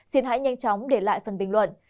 xin hãy nhanh chóng để lại phần bình luận